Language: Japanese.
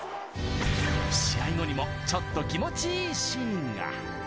試合後にもちょっと気持ちいいシーンが。